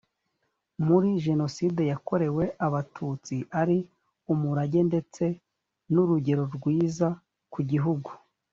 muri jenoside yakorewe abatutsi ari umurage ndetse n urugero rwiza ku gihugu